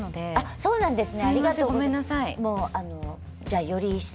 そうなんですよね。